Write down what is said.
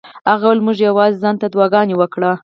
هغه ویلي وو موږ یوازې ځان ته دعاګانې وکړو.